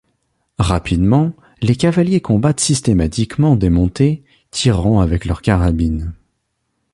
Rapidement, les cavaliers combattent systématiquement démontés, tirant avec leur carabine.